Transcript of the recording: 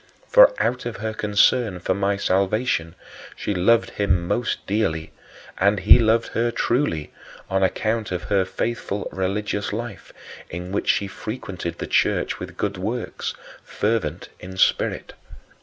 For, out of her concern for my salvation, she loved him most dearly; and he loved her truly, on account of her faithful religious life, in which she frequented the church with good works, "fervent in spirit."